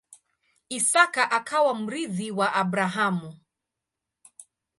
Isaka akawa mrithi wa Abrahamu.